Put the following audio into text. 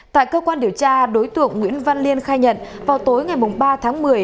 tại cơ quan điều tra đối tượng nguyễn văn liên khai nhận vào tối ngày ba tháng một mươi